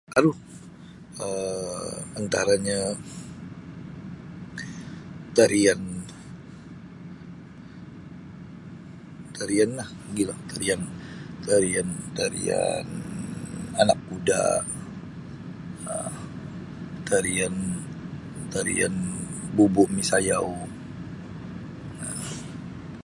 Aru um antaranyo tarian tarianlah mogilo tarian tarian Anak Kuda' um tarian tarian bubu' misayau um.